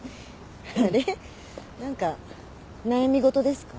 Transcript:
何か悩み事ですか？